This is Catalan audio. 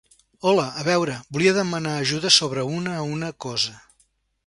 Hola, a veure, volia demanar ajuda sobre una una cosa.